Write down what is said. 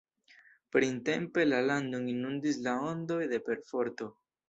Printempe la landon inundis la ondoj de perforto.